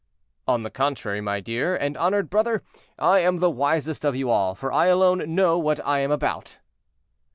"On the contrary, my dear and honored brother, I am the wisest of you all, for I alone know what I am about."'